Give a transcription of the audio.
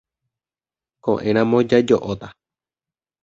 Ko'ẽramo jajo'óta.